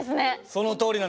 そのとおりなんです。